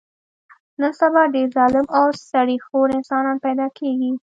نن سبا ډېر ظالم او سړي خور انسانان پیدا کېږي.